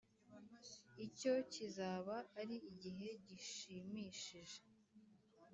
Icyo kizaba ari igihe gishimishije